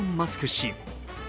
氏。